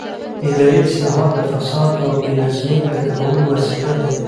اداري اصلاحات د فساد او بې نظمۍ د کمولو وسیله دي